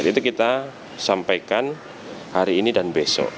itu kita sampaikan hari ini dan besok